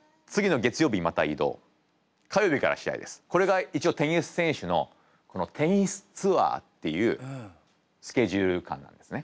これが一応テニス選手のこのテニスツアーっていうスケジュール感なんですね。